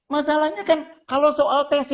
masalahnya kan kalau soal tes